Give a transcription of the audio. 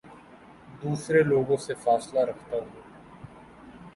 دوسرے لوگوں سے فاصلہ رکھتا ہوں